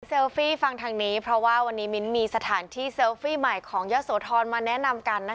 ฟี่ฟังทางนี้เพราะว่าวันนี้มิ้นมีสถานที่เซลฟี่ใหม่ของยะโสธรมาแนะนำกันนะคะ